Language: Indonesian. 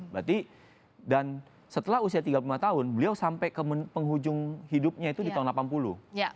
berarti dan setelah usia tiga puluh lima tahun beliau sampai ke penghujung hidupnya itu di tahun delapan puluh